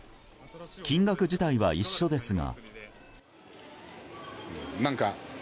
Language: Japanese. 金額自体は一緒ですが。